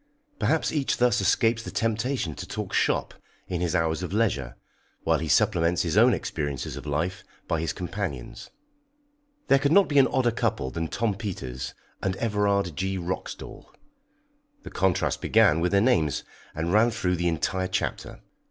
Perhaps each thus escapes the temptation to talk "shop" in his hours of leisure, while he supplements his own experiences of life by his companion's. There could not be an odder couple than Tom Peters and Everard G. Roxdal the contrast began with their names, and ran through the entire chapter.